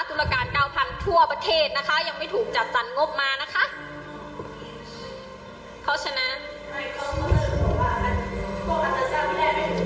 ตุรการเก้าพันทั่วประเทศนะคะยังไม่ถูกจัดสรรงบมานะคะเขาชนะ